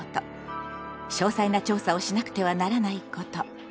詳細な調査をしなくてはならないこと。